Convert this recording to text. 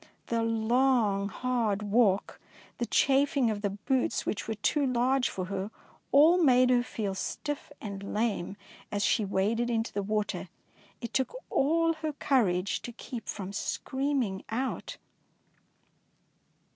The long hard walk, the chaf ing of the boots which were too large for her, all made her feel stiff and lame, and as she waded into the water, it took all her courage to keep from screaming out.